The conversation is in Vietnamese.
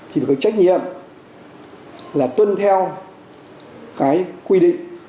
thì phải trách nhiệm là tuân theo cái quy định